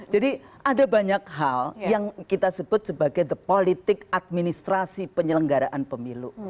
jadi ada banyak hal yang kita sebut sebagai the politik administrasi penyelenggaraan pemilu